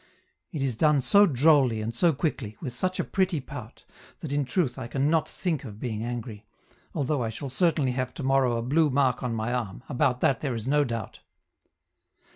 It is done so drolly and so quickly, with such a pretty pout, that in truth I can not think of being angry, although I shall certainly have tomorrow a blue mark on my arm; about that there is no doubt.